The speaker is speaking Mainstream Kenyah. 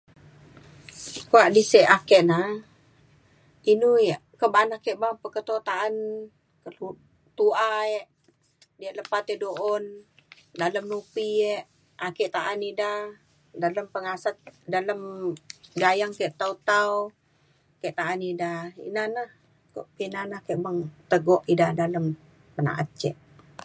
kuak di sik ake ne inu ya' ko' ba'an ake ba peketo ta'an tua ek diak lepa tai do un dalem nupi ek ake ta'an ida dalem pengasat dalem gayeng ke tau tau ke ta'an ida ina na ku pina na ake beng teguk ida dalem pena'at ke'